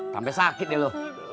sampai sakit deh lo